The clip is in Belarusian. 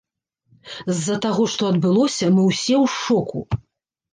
З-за таго, што адбылося, мы ўсе ў шоку.